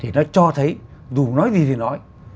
thì nó cho thấy dù nói gì thì nói